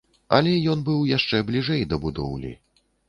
Але ён быў яшчэ бліжэй да будоўлі.